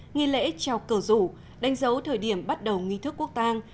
nghi lễ trào cờ rủ đánh dấu thời điểm bắt đầu nghi thức quốc tàng